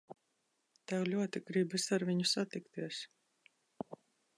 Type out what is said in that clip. Tev ļoti gribas ar viņu satikties.